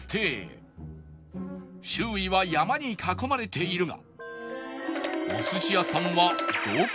周囲は山に囲まれているが